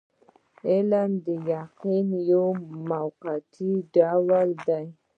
علم د یقین یو موقتي ډول دی.